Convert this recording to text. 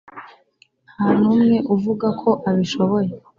nta n umwe uvuga ko abishoboye